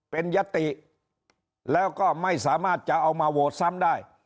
เป็นยติแล้วก็ไม่สามารถจะเอามาโหวตซ้ำได้